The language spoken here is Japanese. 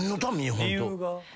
ホント。